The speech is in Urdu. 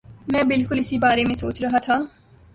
میں بالکل اسی بارے میں سوچ رہا تھا